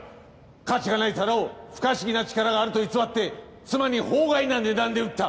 価値がない皿を不可思議な力があると偽って妻に法外な値段で売った。